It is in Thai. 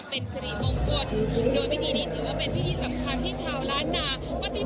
เพราะเชียงใหม่ก็สนุกนะคะใครอยากมาก็มาเที่ยวได้